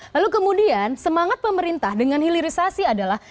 lalu kemudian semangat pemerintah dengan hilirisasi adalah